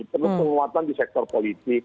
perlu penguatan di sektor politik